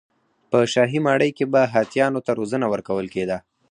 په شاهي ماڼۍ کې به هاتیانو ته روزنه ورکول کېده.